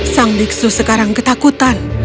sang biksu sekarang ketakutan